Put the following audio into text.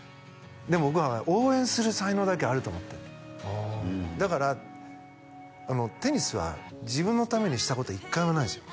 僕は応援する才能だけあると思ってるあだからテニスは自分のためにしたこと１回もないんですよ